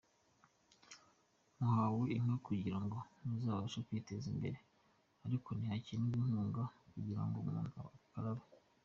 Muhawe inka kugira ngo muzabashe kwiteza imbere, ariko ntihakenerwa inkunga kugira ngo umuntu akarabe.